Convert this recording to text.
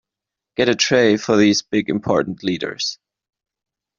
Get a tray for these great big important leaders.